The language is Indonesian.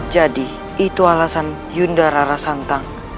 jadi itu alasan yunda rara santang